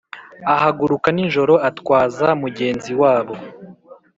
Ahaguruka nijoro atwaza mugenzi wabo